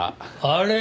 あれ？